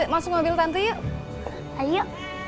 yuk masuk mobil tante yuk ayo